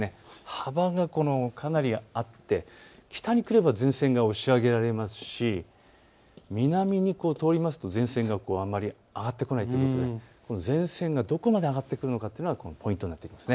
幅がかなりあって北に来れば前線が押し上げられますし南に通りますと前線があまり上がってこないということで前線がどこまで上がってくるのかというのがポイントになってきます。